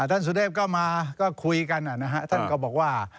ท่านสุเทพก็มาก็คุยกันท่านก็บอกว่า